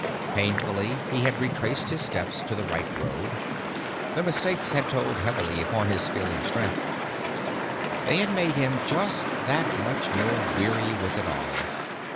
Painfully he had retraced his steps to the right road. The mistakes had told heavily upon his failing strength. They had made him just that much more weary with it all.